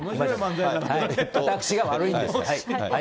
私が悪いんです。